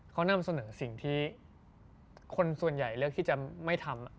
เขามันทำส่วนเหนื่อยสิ่งที่คนส่วนใหญ่เลือกที่จะไม่ทำ